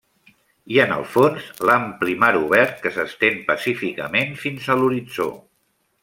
I en el fons, l'ampli mar obert que s'estén pacíficament fins a l'horitzó.